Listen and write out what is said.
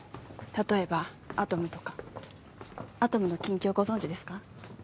例えばアトムとかアトムの近況ご存じですか？